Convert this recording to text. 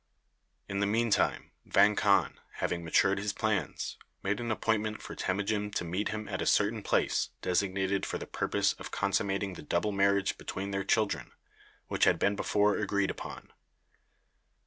In the mean time, Vang Khan, having matured his plans, made an appointment for Temujin to meet him at a certain place designated for the purpose of consummating the double marriage between their children, which had been before agreed upon.